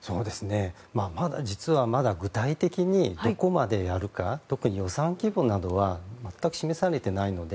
まだ実は具体的にどこまでやるか特に予算規模などは全く示されていないので